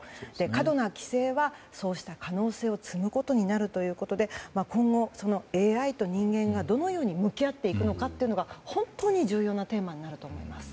過度な規制はそうした可能性を摘むことになるということで今後、ＡＩと人間がどのように向き合っていくのかが本当に重要なテーマになると思います。